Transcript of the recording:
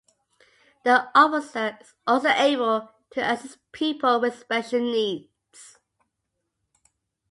The officer is also able to assist people with special needs.